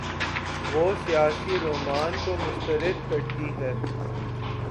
وہ سیاسی رومان کو مسترد کرتی ہے۔